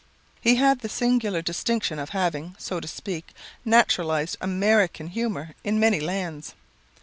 "He had the singular distinction of having, so to speak, naturalized American humor in many lands.